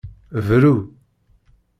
Bru.